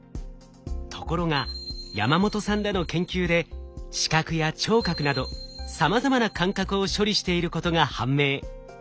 ところが山本さんらの研究で視覚や聴覚などさまざまな感覚を処理していることが判明。